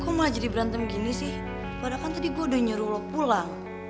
kok mulai jadi berantem gini sih padahal tadi gue udah nyuruh lo pulang